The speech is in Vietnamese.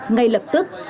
ngay lập tức